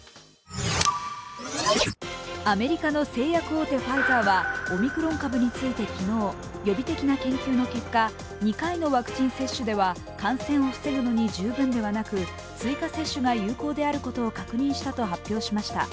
アメリカの製薬大手ファイザーは、オミクロン株について、昨日、予備的な研究の結果、２回のワクチン接種では感染を防ぐのに十分ではなく追加接種が有効であることを確認したと発表しました。